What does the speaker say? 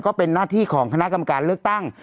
ก็เป็นหน้าที่ของคณะกรรมการเลือกตั้ง